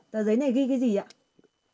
tờ giấy này ghi cái gì ạ